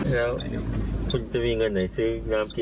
แล้วคุณจะมีเงินไหนซื้อน้ำกิน